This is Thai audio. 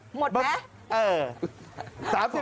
หมดไหม